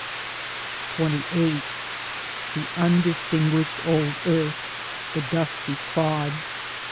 XXVIII The undistinguished old Earth! the dusty clods!